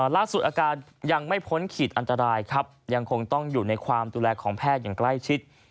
ล่าสุดอาการยังไม่พ้นขีดอันตรายครับยังคงต้องอยู่ในความดูแลของแพทย์อย่างใกล้ชิด